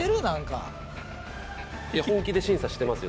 いや本気で審査してますよ。